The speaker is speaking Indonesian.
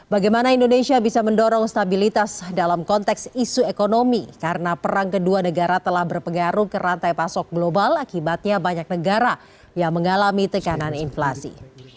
bagaimana indonesia bisa mendorong stabilitas dalam konteks isu ekonomi karena perang kedua negara telah berpengaruh ke rantai pasok global akibatnya banyak negara yang mengalami tekanan inflasi